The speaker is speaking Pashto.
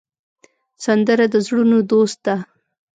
سندره د زړونو دوست ده